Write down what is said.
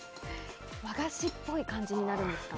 和菓子っぽい感じになるんですか？